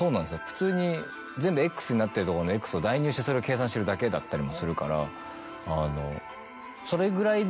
普通に全部エックスになってるところのエックスを代入してそれを計算してるだけだったりもするから。